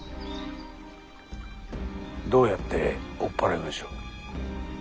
どうやって追っ払いましょう？